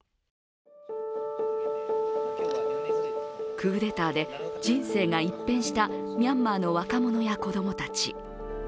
クーデターで人生が一変したミャンマーの若者や子供たち。